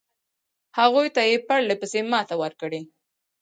هغوی ته یې پرله پسې ماتې ورکړې.